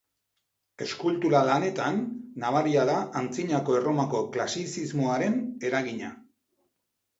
Eskultura-lanetan, nabaria da Antzinako Erromako klasizismoaren eragina.